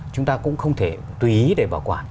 chúng ta cũng không thể tùy ý để bảo quản